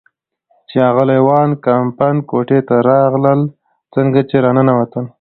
چې اغلې وان کمپن کوټې ته راغلل، څنګه چې را ننوتل.